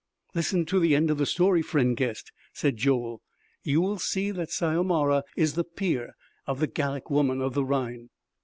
"Listen to the end of the story, friend guest," said Joel; "you will see that Syomara is the peer of the Gallic woman of the Rhine."